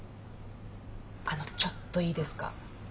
あのちょっといいですか。